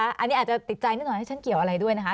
อันนี้อาจจะติดใจนิดหน่อยให้ฉันเกี่ยวอะไรด้วยนะคะ